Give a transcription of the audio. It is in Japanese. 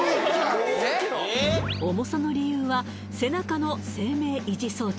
重さの理由は背中の生命維持装置